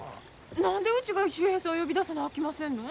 何でうちが秀平さんを呼び出さなあきませんの？